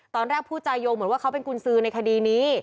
ตอนแรกพูดจาโยงเหมือนว่าเขาเป็นกุญสือในคดีนี้